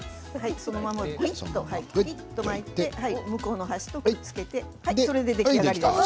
そのままぐいっと巻いて向こうの端とくっつけて出来上がりです。